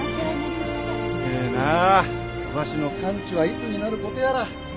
ええなあわしの完治はいつになることやら。